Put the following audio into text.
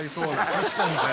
確かに。